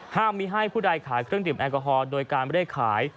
ห้ามมีให้ผู้ใดขายเครื่องดื่มแอลกอฮอล์โดยการไม่ได้ขาย